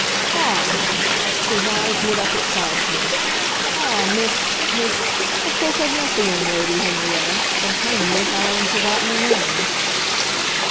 "Ah!" his eyes lit up at sight of me "ah, Miss Miss of course, I've met the young lady, Henrietta, but hang me if I haven't forgotten her name."